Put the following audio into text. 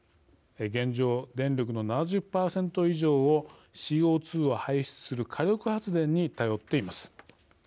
現状、電力の７０％以上をＣＯ２を排出する火力発電に頼っています。